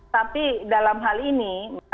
tapi dalam hal ini